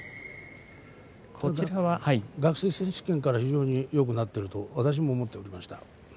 ただ学生選手権から非常によくなっていると私も思っておりました。